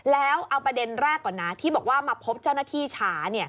แล้วเอาประเด็นแรกก่อนนะที่บอกว่ามาพบเจ้าหน้าที่ช้า